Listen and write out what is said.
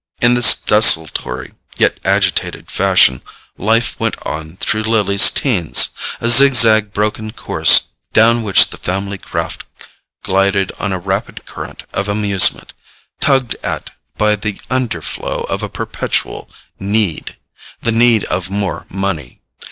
In this desultory yet agitated fashion life went on through Lily's teens: a zig zag broken course down which the family craft glided on a rapid current of amusement, tugged at by the underflow of a perpetual need—the need of more money.